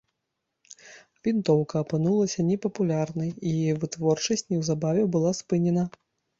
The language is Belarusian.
Вінтоўка апынулася непапулярнай, і яе вытворчасць неўзабаве была спынена.